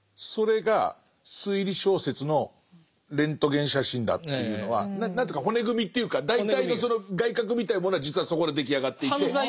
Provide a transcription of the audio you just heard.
それが推理小説のレントゲン写真だっていうのは何ていうか骨組みというか大体のその外郭みたいなものは実はそこで出来上がっていて。